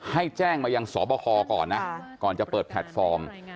ให้แจ้งมายังสบคก่อนนะก่อนจะเปิดแพลตฟอร์ม